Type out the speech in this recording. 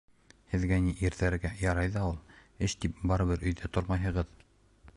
Һеҙгә ни, ирҙәргә, ярай ҙа ул. Эш тип, барыбер өйҙә тормайһығыҙ.